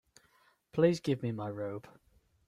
Please give me my robe.